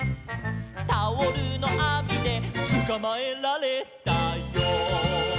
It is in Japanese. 「タオルのあみでつかまえられたよ」